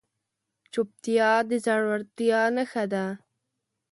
چوپتیا، د زړورتیا نښه ده.